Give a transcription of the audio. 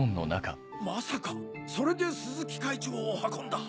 まさかそれで鈴木会長を運んだ？